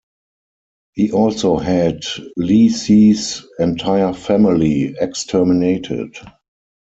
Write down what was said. He also had Li Si's entire family exterminated.